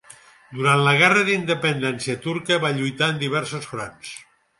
Durant la Guerra d'independència turca, va lluitar en diversos fronts.